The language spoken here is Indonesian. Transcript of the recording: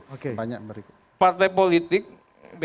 oke banyak berikutnya